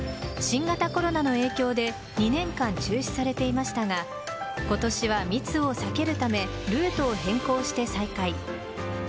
新型コロナの影響で２年間中止されていましたが今年は密を避けるためルートを変更して再開。